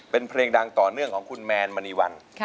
เป็นเพลงดังต่อเนื่องของคุณแมนมณีวัน